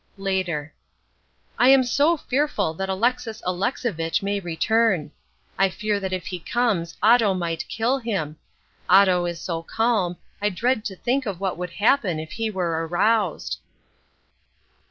Later. I am so fearful that Alexis Alexovitch may return. I fear that if he comes Otto might kill him. Otto is so calm, I dread to think of what would happen if he were aroused.